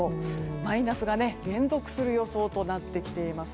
マイナスが連続する予想となってきています。